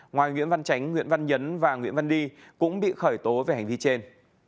ngoài nguyễn văn chánh nguyễn văn nhấn và nguyễn văn ly cũng bị khởi tố về hành vi trên